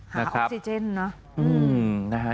หาออกซิเจนนะ